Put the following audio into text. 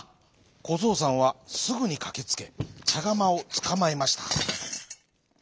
こぞうさんはすぐにかけつけちゃがまをつかまえました。